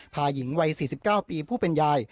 หญิงวัย๔๙ปีผู้เป็นยาย